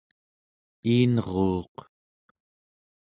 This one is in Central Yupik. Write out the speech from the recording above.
iinruuq